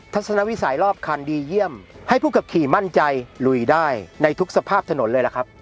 ทัศนวิสัยรอบคันดีเยี่ยมให้ผู้ขับขี่มั่นใจลุยได้ในทุกสภาพถนนเลยล่ะครับ